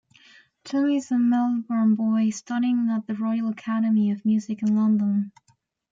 Tommy is a Melbourne boy studying at the Royal Academy of Music in London.